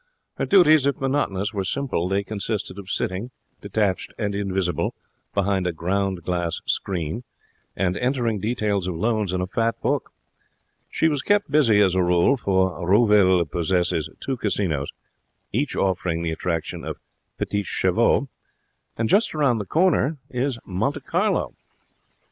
Her duties, if monotonous, were simple. They consisted of sitting, detached and invisible, behind a ground glass screen, and entering details of loans in a fat book. She was kept busy as a rule, for Roville possesses two casinos, each offering the attraction of petits chevaux, and just round the corner is Monte Carlo.